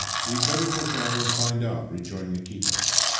We had better push on and find out," rejoined Nikita.